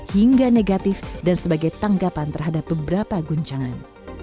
hingga negatif dan sebagai tanggapan terhadap beberapa guncangan